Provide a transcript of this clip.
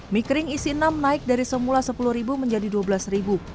mie kering isi enam naik dari semula sepuluh ribu menjadi dua belas ribu